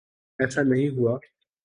ایسا نہیں ہوا۔